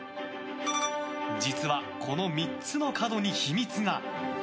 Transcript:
実は、この３つの角に秘密が。